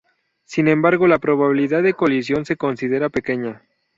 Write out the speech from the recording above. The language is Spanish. Sin embargo, la probabilidad de colisión se considera pequeña.